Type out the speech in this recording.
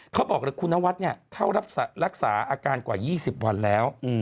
เขาบอกเลยคุณนวัดเข้ารักษาอาการกว่า๒๐วันแล้ว